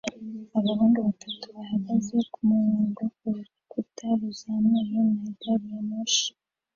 Abahungu batatu bahagaze kumurongo kurukuta ruzamuye na gari ya moshi